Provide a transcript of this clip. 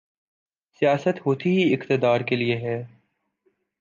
سیاست ہوتی ہی اقتدار کے لیے ہے۔